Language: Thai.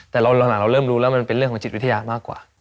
แต่หลังเราเริ่มรู้แล้วมันเป็นเรื่องของจิตวิทยามากกว่า